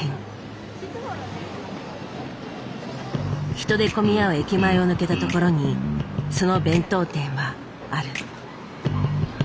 人で混み合う駅前を抜けたところにその弁当店はある。